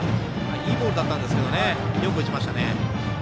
いいボールだったんですがよく打ちましたね。